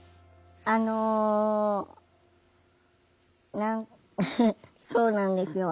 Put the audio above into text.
あの何そうなんですよ